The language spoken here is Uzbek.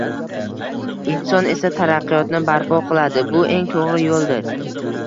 inson esa taraqqiyotni barpo qiladi, bu eng to‘g‘ri yo‘ldir.